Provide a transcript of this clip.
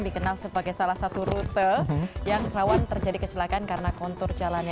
dikenal sebagai salah satu rute yang rawan terjadi kecelakaan karena kontur jalannya